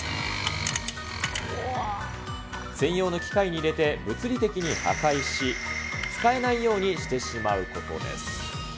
専用の機械に入れて、物理的に破壊し、使えないようにしてしまうことです。